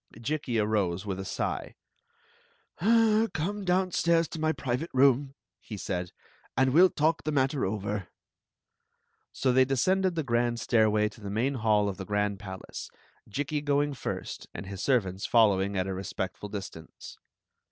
Jikki arose with a sigh. " Come downstairs to my private room, he said, "and we 11 talk the matter over." So they descended the grand stairway to the main hall of the grand palace, Jikki going first and his servants following at a respectful distaree.